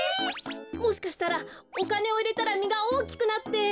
もしかしたらおかねをいれたらみがおおきくなって。